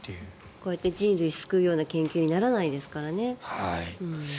こうやって人類を救うような研究にならないですからね。